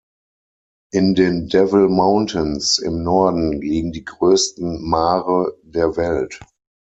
In den Devil Mountains im Norden liegen die größten Maare der Welt.